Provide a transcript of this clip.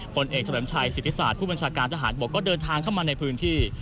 ผลเอกเฉลิมชัยสิทธิศาสตร์ผู้บัญชาการทหารบกก็เดินทางเข้ามาในพื้นที่